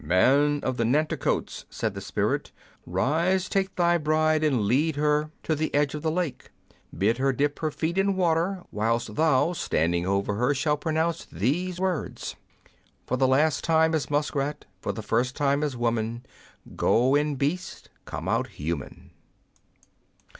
" Man of the Nanticokes," said the spirit, " rise, take thy bride and lead her to the I 12 What are Women Made of? edge of the lake ; bid her dip her feet in water, whilst thou, standing over her, shalt pronounce these words :" For the last time as musk rat. For the first time as woman. Go in beast, come out human